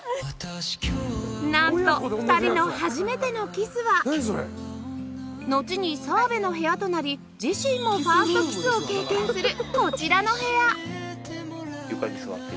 なんと２人の初めてのキスはのちに澤部の部屋となり自身もファーストキスを経験するこちらの部屋